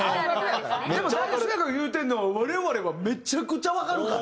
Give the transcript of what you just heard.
でも渋谷君が言うてるのは我々はめちゃくちゃわかるから。